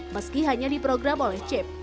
meski hanya diprogram oleh chip